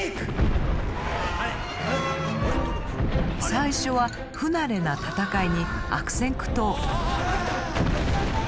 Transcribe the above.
最初は不慣れな戦いに悪戦苦闘。